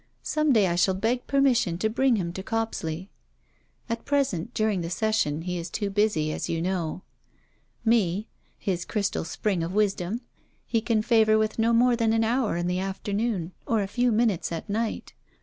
Some day I shall beg permission to bring him to Copsley. At present, during the Session, he is too busy, as you know. Me his "crystal spring of wisdom" he can favour with no more than an hour in the afternoon, or a few minutes at night.